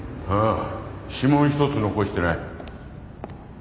指紋一つ残してない。